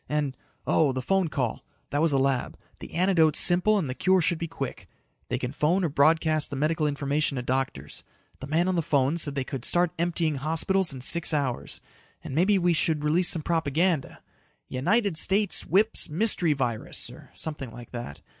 And ... oh, the phone call. That was the lab. The antidote's simple and the cure should be quick. They can phone or broadcast the medical information to doctors. The man on the phone said they could start emptying hospitals in six hours. And maybe we should release some propaganda. "United States whips mystery virus," or something like that.